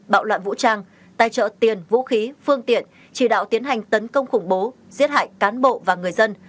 bạo loạn vũ trang tài trợ tiền vũ khí phương tiện chỉ đạo tiến hành tấn công khủng bố giết hại cán bộ và người dân